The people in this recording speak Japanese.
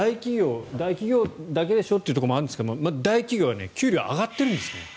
大企業だけでしょというところもあるんですが大企業は給料は上がってるんですって。